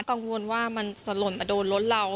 กังวลว่ามันจะหล่นมาโดนรถเรา